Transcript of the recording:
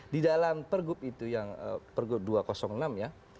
di dalam pergub itu yang pergub dua ratus enam ya